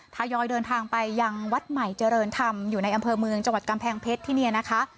ทยอยเดินทางไปยังวัดใหม่เจริญธรรมอยู่ในอำเภอเมืองจังหวัดกำแพงเพชรที่นี่นะคะ